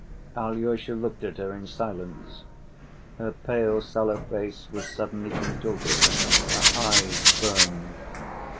Alyosha looked at her in silence. Her pale, sallow face was suddenly contorted, her eyes burned.